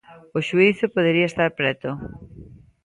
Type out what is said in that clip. O xuízo podería estar preto.